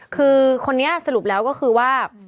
คือคนนี้สรุปแล้วก็คือว่า